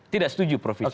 tidak setuju provisi